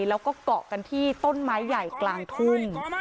แล้วก็เกาะกันที่ต้นไม้ใหญ่กลางทุ่ง